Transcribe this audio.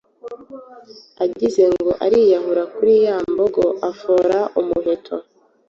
agize ngo ariyahura kuri ya mbogo afora umuheto